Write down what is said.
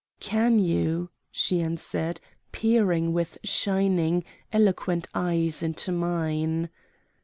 "Can you?" she answered, peering with shining, eloquent eyes into mine.